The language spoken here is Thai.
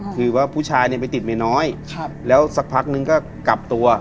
คือว่าผู้ชายเนี่ยไปติดเมียน้อยแล้วสักพักนึงก็กลับตัว